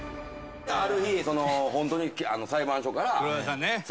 「ある日ホントに裁判所から」